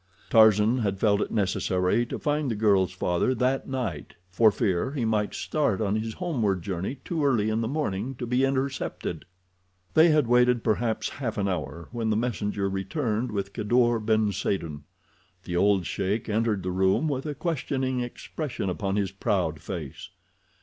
Tarzan had felt it necessary to find the girl's father that night, for fear he might start on his homeward journey too early in the morning to be intercepted. They had waited perhaps half an hour when the messenger returned with Kadour ben Saden. The old sheik entered the room with a questioning expression upon his proud face.